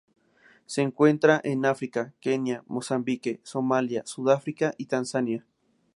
Se encuentran en África: Kenia, Mozambique, Somalia, Sudáfrica y Tanzania.